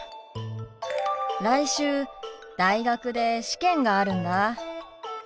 来週大学で試験があるんだ。